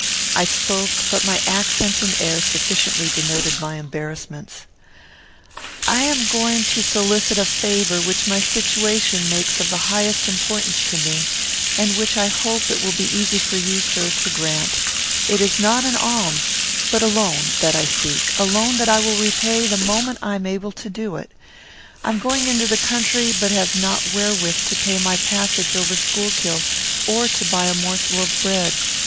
I spoke, but my accents and air sufficiently denoted my embarrassments: "I am going to solicit a favour which my situation makes of the highest importance to me, and which I hope it will be easy for you, sir, to grant. It is not an alms, but a loan, that I seek; a loan that I will repay the moment I am able to do it. I am going to the country, but have not wherewith to pay my passage over Schuylkill, or to buy a morsel of bread.